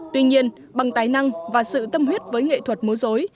tuy nhiên bằng tài năng và sự tâm huyết với nghệ thuật múa dối